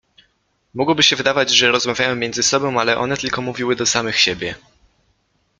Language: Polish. Mogłoby się wydawać, że rozmawiają między sobą, ale one tylko mówiły do samych siebie.